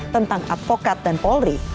tentang advokat dan polri